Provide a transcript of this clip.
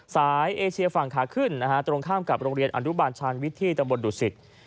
เอเชียฝั่งขาขึ้นนะฮะตรงข้ามกับโรงเรียนอนุบาลชาญวิทย์ที่ตำบลดุสิต